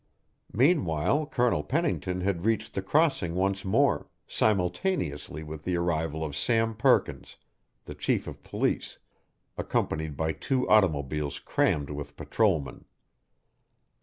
Meanwhile Colonel Pennington had reached the crossing once more, simultaneously with the arrival of Sam Perkins, the chief of police, accompanied by two automobiles crammed with patrolmen.